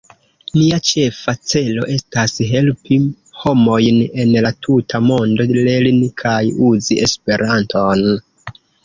Nia ĉefa celo estas helpi homojn en la tuta mondo lerni kaj uzi Esperanton.